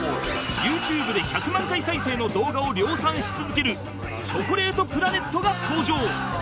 ＹｏｕＴｕｂｅ で１００万回再生の動画を量産し続けるチョコレートプラネットが登場！